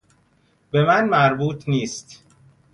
به من مربوط نیست.